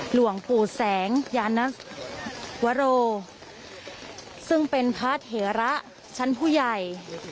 หลวงปู่แสงยานวโรซึ่งเป็นพระเถระชั้นผู้ใหญ่